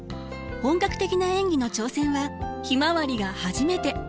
本格的な演技の挑戦は「ひまわり」が初めて。